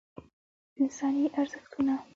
انساني ارزښتونه